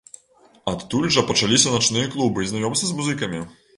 Адтуль жа пачаліся начныя клубы і знаёмствы з музыкамі.